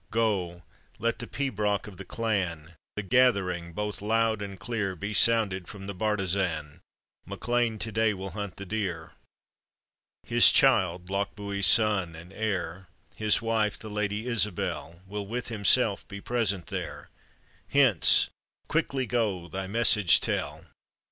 "Go; let the pibroch of the clan The gathering, both loud and clear, Be sounded from the bartizan, MacLean to day will hunt the deer. " His child, Lochbuie's son and heir, His wife, the Lady Isabel, Will with himself be present there, Hence ! Quickly go, thy message tell."